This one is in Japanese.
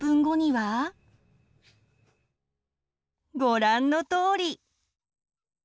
ご覧のとおり！